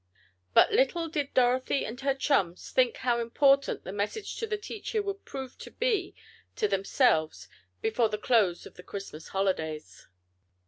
But little did Dorothy and her chums think how important the message to the teacher would prove to be to themselves, before the close of the Christmas holidays.